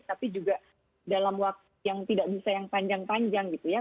tapi juga dalam waktu yang tidak bisa yang panjang panjang gitu ya